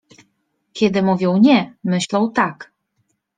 Kiedy mówią „nie”, myślą „tak”.